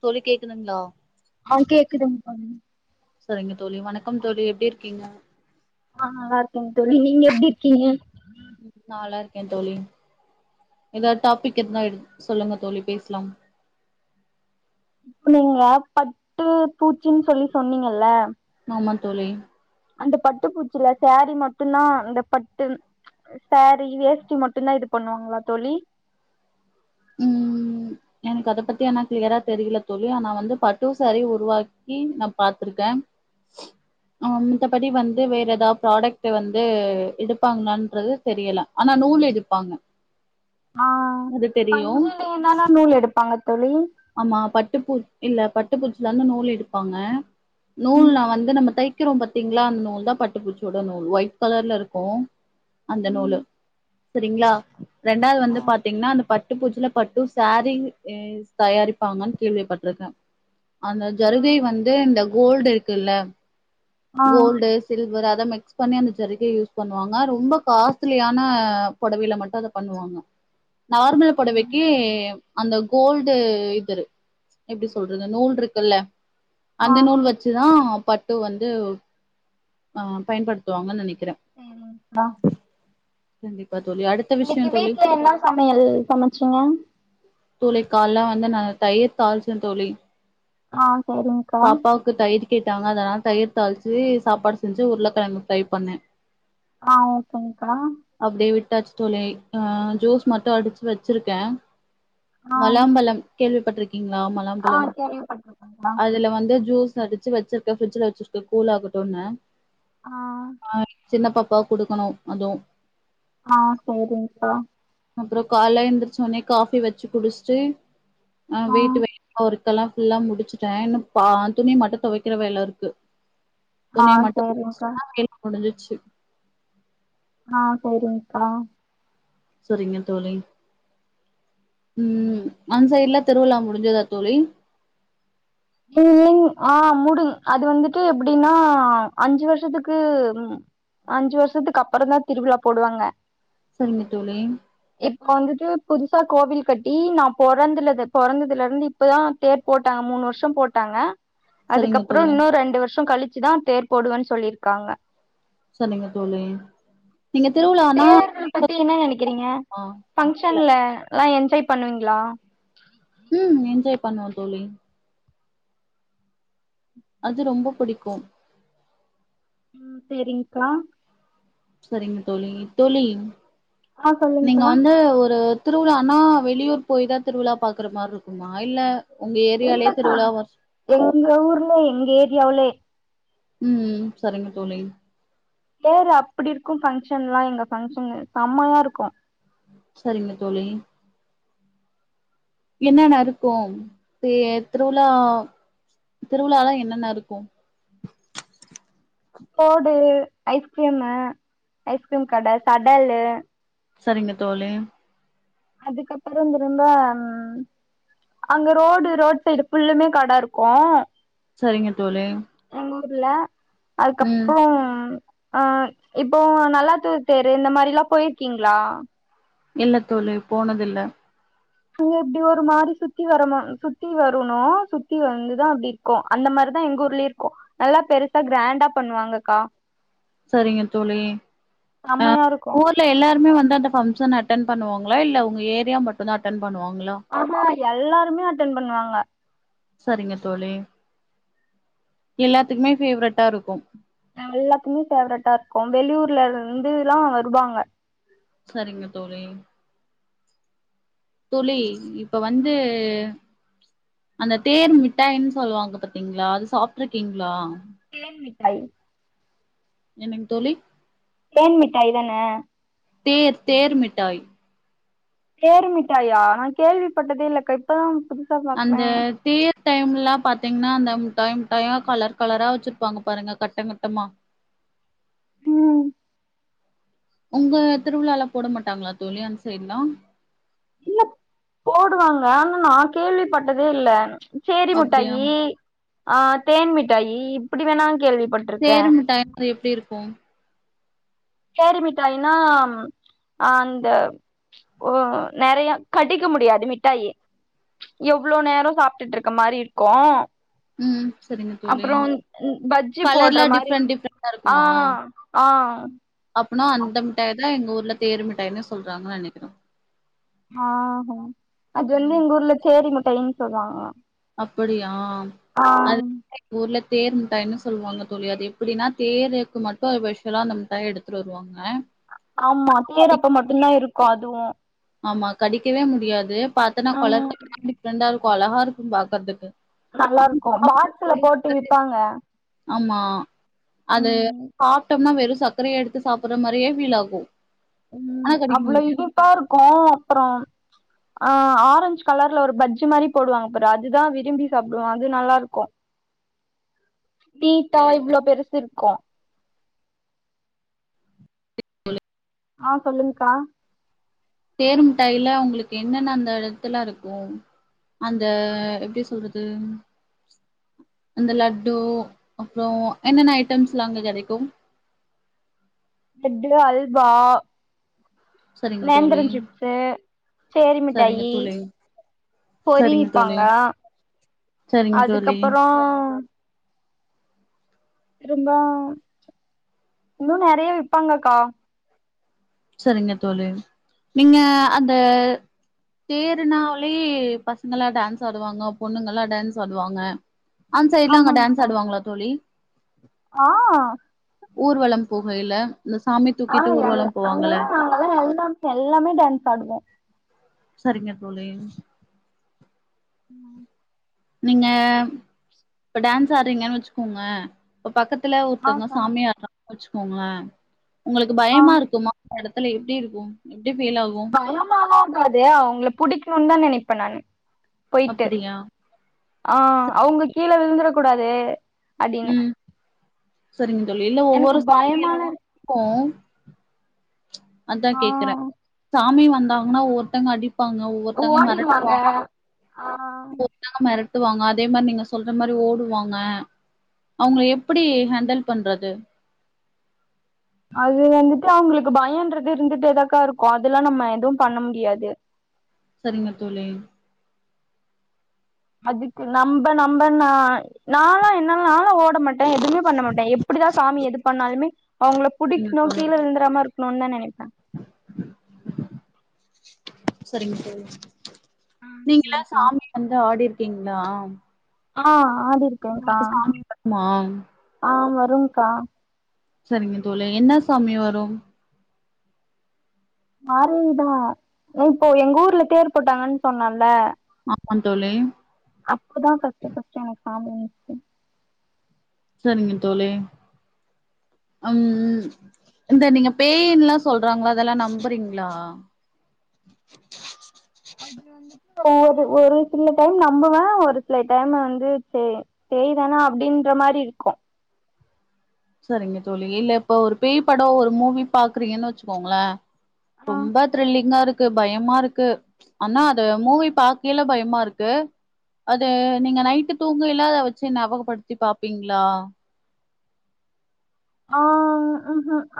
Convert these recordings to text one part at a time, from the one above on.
தோழி கேக்குதுங்ளா ஆ கேக்குதுங் தோழி சரிங்க தோழி வணக்கம் தோழி எப்டி இருக்கீங்க? ஆ நல்லாருக்கேங் தோழி நீங்க எப்டி இருக்கீங்க? நா நல்லாருக்கே தோழி எதா டாபிக் இருந்தா எடு சொல்லுங்க தோழி பேசலாம் புழுவா பட்டு பூச்சின் சொல்லி சொன்னீங்கள்ல ன்ன தோழி அந்த பட்டுப்பூச்சில சாரீ மட் டுந்தா இந்த பட்டு சாரீ வேஷ்டி மட்டுந்தா இது பண்ணுவாங்ளா தோழி ம் எனக்கு அத பத்தி ஆனா கிளியரா தெரியில தோழி ஆனா வந்து பட்டு சேரீ உருவாக்கி நா பாத்துருக்கே ஆ மித்தபடி வந்து வேற எதா ப்ராடக்ட்டு வந்து எடுப்பாங்லான்றது தெரியல ஆனா நூல் எடுப்பாங்க ஆ அது தெரியு பஞ்சுலந்தான நூல் எடுப்பாங்க தோழி டுப்பூ இல்ல பட்டுப்பூச்சிலருந்து நூல் எடுப்பாங்க ம் நூல்ல வந்து நம்ம தை க்கிறோ பாத்தீங்ளா அந்த நூல் தா பட்டு பூச்சியோட நூல் ஒயிட் கலர்லருக்கு அந்த நூலு ம் சரிங்ளா ரெண்டாவது ஆ வந்து பாத்தீங்னா அந்த பட்டு பூச்சில பட்டு சேரீ எ தயாரிப்பாங்கன் கேள்விப்பட்ருக்கே அந்த ஆ ஜரிகை வந்து சரி இந்த கோல்டு இரு க்குல்ல ஆ கோல்டு சில்வர் அ த மிக்ஸ் பண்ணி அந்த ஜரிகை யூஸ் பண்ணுவாங்க ரொம்ப காஸ்லியான பொடவைல மட்டு அத பண்ணுவாங்க நார்மல் ம் பொடவக்கி அந்த கோல்டு இதுரு எப்டி சொல்றது நூல்ருக்குல்ல ஆ அந்த நூல் வச்சு தா பட்டு வந் து அ பயன்படுத்துவாங்கன் நெனக்கிறே ம் ம் [unintelligible] கண்டி இன்னைக்கு வீட்டுல என்ன சமையல் சமைச்சீங்க தோழி கால்ல வந்து நா தயிர் தாழிச்சே தோழி ஆ சரிங்க்கா பாப்பாவுக்கு தயிர் கேட்டாங்க அதல்லா தயிர் தாழிச்சி சாப்பாடு செஞ்சு உருளை கிழங்கு ஃப்ரை பண்ணே ஆ ஓகேங்க்கா ட்டாச்சு தோழி அ ஜுஸ் மட்டு அடிச்சு வச்சிருக்கே ஆ மொலாம்பலம் கேள்விபட்டிருக் கீங்களா ஆ மொலாம்பழம் கேள்விப்பட்ருக்கேங்க்கா அதுல வந்து ஜூஸ் கஅடிச்சு வச்சிருக்கே ஃபிரிட்ஜுல வச்சிரு கு கூலாகட்டும்னு ஆ சின்ன பாப்பாக்கு கொடுக்கணு அது ஆ சேரிங்க்கா அப்பறோ கால்ல எந்திரிச்ச உன்னே காஃபி வச்சு குடிச்சுட்டு ஆ வீட்டு வெய் ஒர்க்கல்லா ஃபுல்லா முடிச்சுட்டே இன்னு பா துணி மட்டு துவைக்கிற வேல இருக்கு துணைய ஆ மட்டும் வாஸ் சேரிங்க்கா பன்னா முடிஞ்சிச்சு ச ஆ சரிங்க்கா சரிங்க தோழி உ அந் சைடுலா திருவிழா முடிஞ்சதா தோழி ஆ முடுங அது வந்துட்டு எப்படின்னா அஞ்சு வருஷத்துக்கு அஞ்சு வருஷத்துக்கு அப்பந் தா திருவிழா போடுவாங்க சரிங்க தோழி இப்ப வந்துட்டு புதுசா கோவில் கட்டி நா பொறந்திலது பொறந்ததுல இருந்து இப்பதா தேர் போட்டாங்க மூணு வருஷோ [unintelligible] போட்டாங்க சரிங்க அதுக்கப்புற தோழி இன்னு ரெண்டு வருஷோ கழிச் ச்சுதா தேர் போடுவன்னு சொல்லியிருக்காங்க சரிங்க தோழி நீங்க திருவிழானா தேர்தல் பத்தி என்ன நெனைக்கிறீங்க ஃபங்சன்ல அதலா என்ஜாய் பண்ணுவீங்களா உ என்ஜாய் பண்ணுவோ தோழி அது ரொம்ப புடிக்கு உ சரிங்க்கா சரிங்க தோழி தோழி ஆ நீங்க சொல்லுங்க்கா வந்து ஒரு திருவிழானா வெளியூர் போய்தா திருவிழா பார்க்குற மாரி இருக்குமா இல்ல உங்க ஏரியாலயே இல்லக்கா திருவிழா வர்ஷ் எங்க ஊர்ல எங்க ஏ எவ்ளே உம் சரிங்க தோழி தேரு அப்டி இருக்கு ஃபங்க்ஷன்லா எங்க ஃபங்க்ஷன் செம்மயா இருக்கு சரிங்க தோழி என்னென்ன இருக்கு தேர் திருவுழா திருவுழாலா என்னென்ன இருக்கு தோடு ஐஸ்கிரீமு ஐஸ்கிரீம் கட கடலு சரிங்க தோழி அதுக்கப்புறோ ரொம்ப அங்க ரோடு ரோடு சைடு ஃபுல்லுமே கட இருக்கு சரிங்க தோழி புல ம் அதுக்கப்றோம் அ இப்போ நல்லாத்தூர் தேரு இந்த மாரில்லா போயிருக்கீங்ளா இல்ல தோழி போனது இல்ல அங்க அப்டி ஒரு மாரி சுத்தி வரணு ம் சுத்தி வரணோ சுத்தி வந்துதா அப்டி இருக்கு அந்த மாரிதா எங்க ஊர்லயே இருக்கு நல்லா பெருசா கிராண்டா பண்ணுவாங்கக்கா சரிங்க தோழி அ செம்மையா இருக்கு ஊர்ல எல்லாருமே வந்து அந்த பங்க்ஷன் அட்டன் பண்ணுவங்ளா இல்ல உங்க ஏரியா மட்டுதா அட்டன் பண்ணுவாங்ள ஆமா எல்லாருமே அட்டன் பண்ணுவாங்க சரிங்க தோழி எல்லாத்துக்குமே பேவரட்டா இருக்கு ம் எல்லாத்துக்குமே பேவரட்டா இருக்கு வெளியூர்ல இருந்துலா வருவாங்க சரிங்க தோழி தோழி ப் இப்ப வந்து.. அந்த தேர் மிட்டாய்னு சொல்லுவாங்க பாத்தீங்ளா அத சாப்ட்டுருக்கீங்ளா தேன் மிட்டாய் என்னங்க தோழி தேன் மிட்டாய் தான தேர் தேர் மிட்டாய் தேருமிட்டாயா நா கேள்விப்பட்டதே இல்லக்கா இப்பதா புதுசா அந்த பாக்குறே தேர் டைம்லா பாத்தீங்னா அந்த முட்டாய் முட்டாயா கலர் கலரா வச்சிருப்பாங்க பாருங்க கட்ட கட்டமா ம் உங்க திருவிழாலா போட மாட்டாங்க லா தோழி அந்த சைடுலா இல்ல போடுவாங்க ஆனா நா கேள்விப்பட்டதே இல்ல சேரி அப்டியா முட்டாயி ஆ தேன் மிட்டாயி இப்டி வேணா கேள்விப்பட்ருக்கே தேருமிட்டா க்ட்ரி எப்டி இருக் கு சோரு மிட்டாய்னா அந்த உ நெறைய கடிக்க முடியாது மிட்டாயி எவ்ள நேர சாப்ட்டுட்டு இருக்க மாரி இருக்கு ம் சரிங்க தோழி அப்ற பஜ்ஜி போட்ற கலர்லா மாரி டிஃப்ரெண்ட் டிஃப்ரெண்டா ஆ இருக்குமா ஆ அப்பனா அந்த மிட்டாய் தா எங்க ஊர் ந்த தேருமிட்டாயினு சொல்றாங்க நெனக்கற ஆ அது வந்து எங்க ஊர்ல சேரி முட் டைன் சொல்லுவாங்கலா அப்படியா அந் ந்து எங்க ஊர்ல தேன் மிட்டாயின்னு சொல்லுவாங்க தோழி அது எப்படினா தேனுக்கு மட்டு ஒரு விஷலா அந்த மிட்டாய எடுத்துட்டு வருவாங்க ஆமா தேனு அப்ப மட்டுந்தா இருக்கு அதுவு ஆமா கடிக்கவே முடியாது பாத்தனா பல ம் [unintelligible] ரெண்டா ம்ப அழகா இருக்கு பாக்கர்துக்கு நல்லா இருக்கு பாக்ஸ்ல போட்டு விப்பாங்க ஆம்மா அது ம் சாப்ட்டம்னா வெறு சர்க்கரைய எடுத்து சாப்பர்ற மாரியே ஃபிலாகு ம் அவ்ள இனிப்பா இருக்க அப்றம் ஆ ஆரஞ்ச் கலர்ல ஒரு பஜ்ஜி மாரி போடுவாங்க பாரு அதுதா விரும்பி சாப்டுவ அது நல்லா இருக்கு டீட்டா இவ்ள பெருசு இருக்கு தி போல ஆ சொல்லுங்க்கா தேரு முட்டாயில உங்களுக்கு என்னென்ன அந்த த்துலா இருக்கு அந்த எப்டி சொல்றது அந்த லட்டு அப்றோ என்னென்ன ஐட்டம்ஸ்ல்லா அங்க கெடைக்கு லட்டு அல்வா சரிங்க தோழி, நேந்திரம் சிப்ஸு சேரி சரிங்க மிட்டாயி தோழி, சரிங்க தோழி, பொறிவிப்பாங்க சரிங்க தோழி, அதுக்கப்பறோ ரும்பா இன்னு நெறைய விப்பாங்கக்கா சரிங்க தோழி நீங்க அந்த தேர்னாலாலே பசங்கல்லா டான்ஸ் ஆடுவாங்க பொண்ணுங்கல்லா டான்ஸ் ஆடுவாங்க அந்த்சைட்லா அங்க டான்ஸ் ஆமாங்க்கா ஆடுவாங்களா தோழி ஆ ஊர்வலம் பொகையில ஆ அங்க அங்கதா நாங்கல்லா எல்லாமே எல்லாமே டான்ஸ் ஆடுவோ சரிங்க தோழி ம்‌ ம் நீங்க இப்ப டான்ஸ் ஆட்றீங்கன் வச்சுக்கோங்க இப்ப பக்கத் துல ஆ ஒருத்தங்க சொல்லுங் சாமி ஆட்றா வச்சுக்கோங்க உங்களுக்கு ஆ பயமா இருக்குமா அடத்துல எப்டி இருக்கு எ பயமால்லார்க்காது அவுங்கள புடிக்க னுன் தா நெனைப்பே நானு பொய்ட்டு அப்டியா ஆ சரி. அவுங்க கீழ விழுந்துற கூடாது அடின்னு ம் சரிங்க தோழி இல்ல ஒவ்வொரு சாமி இருக்கு [unintelligible] அதா ஆ கேக்குற சாமி வ வந்தாங்கனா ஒவ்வொருத்தங்க அடி ப்பாங்க ஒவ்வொருத்தங்க ஓடிருவாங்க மெரட்டுவாங்க ஆ ஒவ்வொர்த்தங்க மெற ட்டுவாங்க அதே மாரி நீங்க சொல்ற மாரி ஓடுவாங்க அவுங்கள எப்பிடி ஹேண்டில் பண்றது அது வந்துட்டு அவுங்ளுக்கு பயொன்றது இருந்துட்டேதாக்கா இருக்கு அதெல்லா நம்ம எதுவு பண்ண முடியாது சரிங்க தோழி அதுக்கு நம்ப நம்ப ந நாலா என்னல்லா ஓட மாட்டே எதுமே பண்ணமாட்டே எப்புடிதா சாமி எது பண்ணாலுமே அவுங்கள புடிக்னு கீழ விழுந்துறாம இரு க்னுன் தா நெனைப்பே செரிங்க தோழி ஆ நீங்கலா சரிங்க்கா சாமி வந்து ஆடிரு க்கீங்ளா ஆ‌ ஆடிருக்கேக்கா வருமா ஆ வ ருங்க்கா சரிங்க தோழி என்ன சாமி வரு [unintelligible] தா இப்போ எங்க ஊர்ல தேர் போட்டாங்கன் சொன்னல்ல ஆமா தோழி அப்பதா ஃபஸ்ட்டு ஃபஸ்ட்டு எனக் சாமி வன்ச்சு செரிங்க தோழி அம் இந்த நீங்க பேயின்லா சொல்றாங்ளா அதெல்லா நம்புறீங்ளா அது வந்துட்டு ஒரு ஒரு சில டைம் நம்புவ ஒரு சில டைம் வந்து சே பேய் தானா அப்டின்ற மாரி இருக்கும் செரிங்க தோழி இல்ல இப்போ ஒரு பேய் படோ ஒரு மூவி பாக்றீங்கனு வச்சுக்கோங்கள ரொம்ப த்ரில்லிங்கா இருக் க்கு பயமாருக்கு அன்னா அது மூவி பாகேல பயமாருக்கு அது நீங்க நைட்டு தூங்கைல அத வச்சு நாபகப்படுத்தி பாப்பீங்ளா ஆ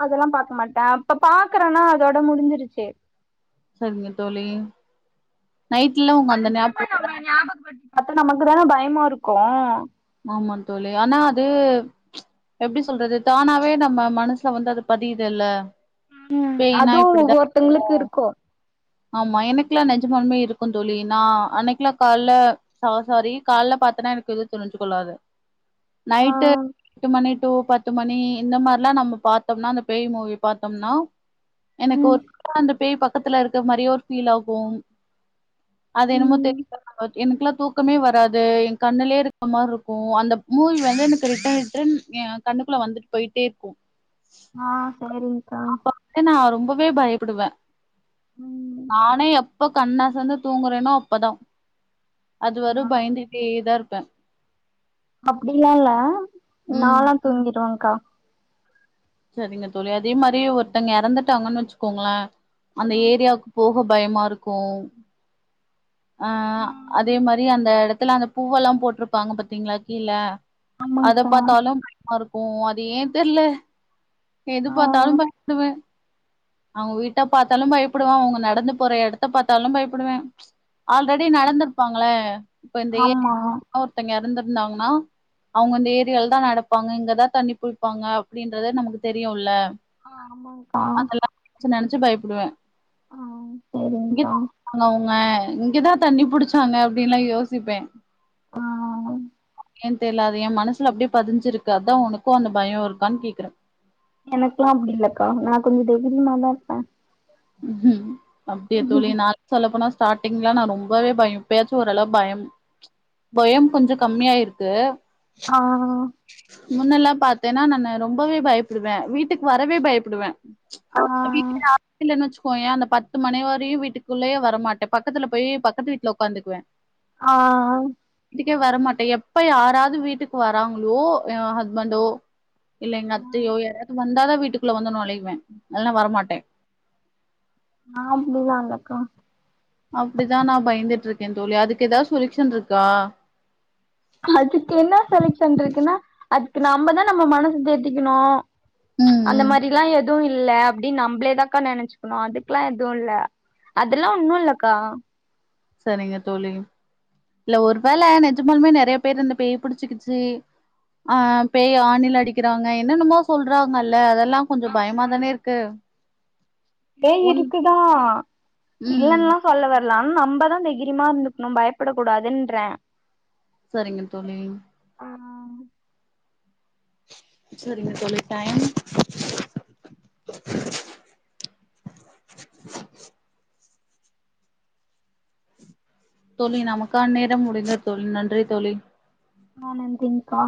அதெல்லா பாக்க மாட்ட அப்ப பாக்கறனா அதோட முடிஞ்சிருச்சி செரிங்க தோழி நைட்ல உங்க அது அந்த திரும்ப ஞாபகோ நம்ம ஞாபகப்படுத் அப்ப நமக்கு தானா பயமாருக்கும் ஆமா தோழி ஆனா அது எப்டி சொல்றது தானாவே நம்ம மனசுல வந்து அது பதியுதுதல்ல அதுவு ஒவ்வொருத்தங்ளுக்கு இருக்கும் ஆமா எனக்குலா நெசமாலுமே இருக்கும் தோழி நா அன்னக்கில கால்ல சா சாரி கால்ல பாத்தனா எனக்கு எதுவு தெரிஞ்சு கொள்ளாது ஆ நைட்டு எட்டு மணிட் இரவு பத்து மணி இந்த மாரிலா நம்ம பாத்தோம்னா அந்த பேய் மூவி பாத்தோம்னா எனக்கு ம் ஒர்கா அந்த பேய் பாக் புத்துல இருக் இருந்த மாரியே ஒரு ஃபீல் ஆகு அது என்னமோ ம் தெரில நம்ளுக் எனக்குலா தூக்கமே வராது எ கண்ணுலே இருக்க மாரி இருக்கும் அந்த மூவி வந்து எனக்கு ரிட்டன் ரிட்டன் எ கண்ணுக்குள்ள வந்துட் போய்ட்டே இருக்கும் ஆ செரி்ங்கா நா ரொம்பவே பயப்படுவ நானே எப் எப்போ கண் அசந்து தூங்குறனோ அப்ப தா அது ஆ வரும் பயந்துக்கிட்டே தா இருப்ப அப்டிலா இல்ல ம் நால்ளா தூங்கிருவ கா செரிங்க தோழி அதே மாரி ஒருத்தவங்க எறந்துட்டாங்கன்னு வச்சுக்கோங்களே அந்த ஏரியாவுக்கு போஹப் பயமாருக்கும் அ ஆ அதே மாரி அந்த எடத்துல அந்த பூவெல்லா போட்டுருப்பாங்க பத்தீங்ளா கீழ அத ஆமாங்க்கா பாத்தாலும் பயமாருக் ஓ அது ஏத்தெர்ல எது ஆ பாத்தாலு பண்ணுவே அவுங்க வீட்ட பார்த்தாலும் பயப்படுவே அவுங்க நடந்து போற எடத்த பார்த்தாலும் பயப்படுவே ஆல் ரெடி நடந்துருப்பாங்களே இப்ப இந்த ஆமா என் ஒருத்தங்க எறந்துப் இருந்தாங்கன்ன அவுங்க இந்த ஏரியால தா நடப்பாங்க இங்கதா தண்ணி புடிப்பாங்க அப்டின்றது நமக்கு தெரியுல்ல ஆ ஆமாக்கா ச நெனச்சு பயப்படுவே சேரிங்க்கா இங்கிதா அவுங் [unintelligible] இங்கதா தண்ணி புடிச்சாங்க அப்டின்ல்லா யோசிப்பே ஆ ஏன் தெர்லா என் மனசுல அப்டியே பதிஞ்சிருக்கு அதா உனக்கும் அந்த பயம் இருக்கா கேக்கறே எனக்கெல்லா அப்டி இல்லக்கா நா கொஞ்ச தைரியம்மாதா இருப்பே ம் ம் அப்டியே தோழி நா சொல்ல போனா ஸ்டாட்டிங்லா நா ரொம்பவே பயம் ப்பயாச்சு ஓரளவு பயம் பயம் கொஞ்ச கம்மியா ஆயிருக்கு க்கா முன்னெல்லா பாத்தேன்னா நானு ரொம்பவே பயப்படுவே வீட்டுக்கு வரவே பயப்படுவே ஆ வீட்ல [inaudible] போய்யே அந்த பத்து மணி வரையு வீட்டுக்குள்ளயே வரமாட்டே பக்கத்துல போய் பக்கத்து வீட்ல ஓக்காந்துக்குவே ஆ வீட்டுக்கு வரா மாட்டே எப்ப யாரவது வீட்டுக்கு வரங் ஓ ஏ அ ஹஸ்பண்டோ இல்லைங்க அத்தையோ யாராவது வந்தாத வீட்டுக்குள்ள வந்து நுழைவே இல்லனா வரமாட்டே ஆ போவாங்க அக்கா அப்டிதா நா பயந்துட்டு இருக்கே தோழி அதுக்கு ஏதாவது சொல்யூஷன் இருக்கா அதுக்கு என்ன சொல்க்ஷன் இருக்குன்னா அதுக்கு நம்ப தா நம்ம மனசு தேத்திக்கணு ம் அந்த ம் மாரி எல்லா எதுவு இல்லா அப்டின்ன நம்பளேதாக்கா நெனைச்சுக்கணும் அதுக்கெல்லா எதுவு இல்ல அதெல்லா ஒன்னு இல்லக்கா சரிங்க தோழி இல்ல ஒரு வேல நிஜமானாலுமே நெறைய பேரு இந்த பேய் புடிச்சுச்சு ஆ பேய் ஆணில அடிக்கறாங்க என்னென்னமோ சொல்றாங்கல்ல அத ல்லா கொஞ்ச பயமா தானே இருக்கு பேய் உன் இருக்குதா ம் இல்லன்லா சொல்ல வர நம் நம்பதா தைகரியம்மா இருந்துக்கணு பயப்படக் கூடாதுன்றே சரிங்க தோழி சரிங்க தோழி டைம் தோழி நமக்கான் நேரம் முடிந்த தோழி நன்றி தோழி ஆ நன்றிங்க்கா